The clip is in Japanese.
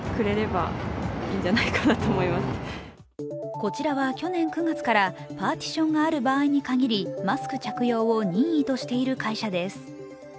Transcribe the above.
こちらは去年９月からパーティションがある場合に限りマスク着用を任意としている会社です。